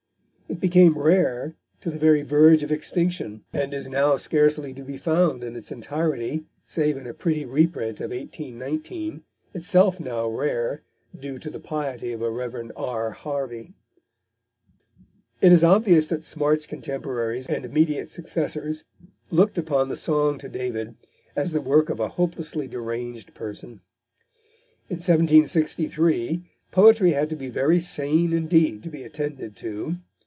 It became rare to the very verge of extinction, and is now scarcely to be found in its entirety save in a pretty reprint of 1819, itself now rare, due to the piety of a Rev. R. Harvey. It is obvious that Smart's contemporaries and immediate successors looked upon the Song to David as the work of a hopelessly deranged person. In 1763 poetry had to be very sane indeed to be attended to.